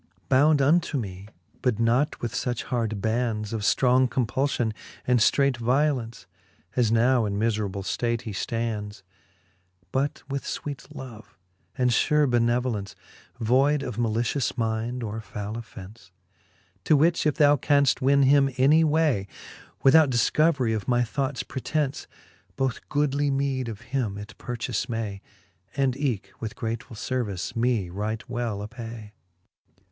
XXXIII. Bound ^8 I'he fifth Booke of Canto V, XXXIII. Bound unto me, but not with fuch hard bands Of ftrong compulfion, and ftreight violence, As now in miferable ftate he ftands ; But with fweet love and fure benevolence, Voide of malitious minde, or fowle offence. To which if thou canft win him any way, Without difcoverie of my thoughts pretence, Both goodly meede of him it purchafe may. And eke with gratefull lervice me right well apay, XXXIV.